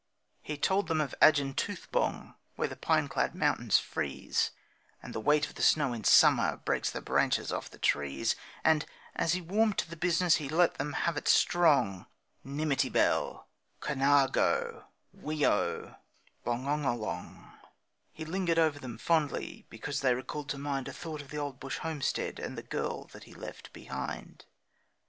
He told them of Adjintoothbong, where the pine clad mountains freeze, And the weight of the snow in summer breaks branches off the trees, And, as he warmed to the business, he let them have it strong Nimitybelle, Conargo, Wheeo, Bongongolong; He lingered over them fondly, because they recalled to mind A thought of the old bush homestead, and the girl that he left behind.